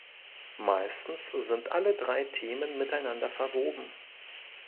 Meistens sind alle drei Themen miteinander verwoben.